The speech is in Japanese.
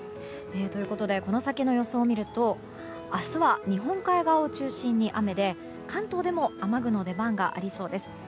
ということでこの先の予想を見ると明日は日本海側を中心に雨で関東でも雨具の出番がありそうです。